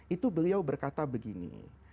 itu beliau berkata begini